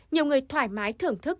nhiều người thoải mái thưởng thức